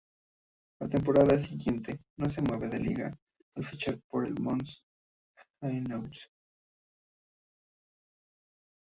La temporada siguiente no se mueve de liga, al fichar por el Mons-Hainaut.